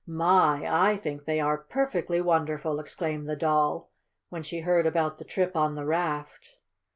"My, I think they are perfectly wonderful!" exclaimed the Doll, when she heard about the trip on the raft.